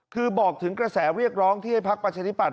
คือบอกถึงกระแสเรียกร้องที่ให้พักประชาธิปัต